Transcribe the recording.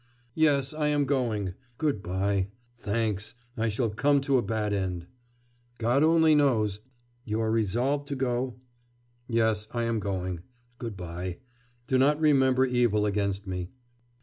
'Yes, I am going! Good bye. Thanks.... I shall come to a bad end.' 'God only knows.... You are resolved to go?' 'Yes, I am going. Good bye. Do not remember evil against me.